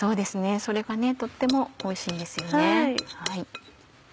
それがとってもおいしいんですよね。